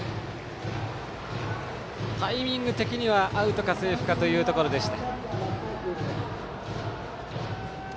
タイミング的にはアウトかセーフかというところでした。